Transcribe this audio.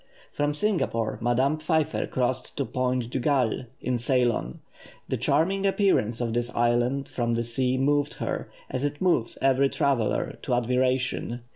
From Singapore, Madame Pfeiffer crossed to Point de Galle, in Ceylon. The charming appearance of this island from the sea moved her, as it moves every traveller, to admiration.